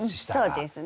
そうですね。